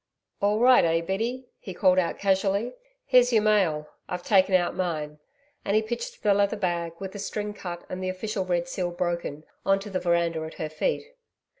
'All right, eh, Biddy?' he called out casually. 'Here's your mail I've taken out mine,' and he pitched the leather bag, with the string cut and the official red seal broken, on to the veranda at her feet.